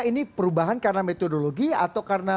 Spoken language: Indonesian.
ini perubahan karena metodologi atau karena